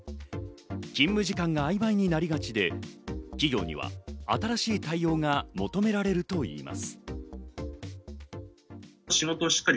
勤務時間が曖昧なりがちで、企業には新しい対応が求められるといいます。